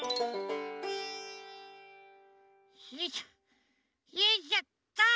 よいしょよいしょっと！